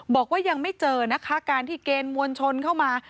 บอกว่ายังไม่เจอนะคะการที่เกณฑ์มวลชนเข้ามา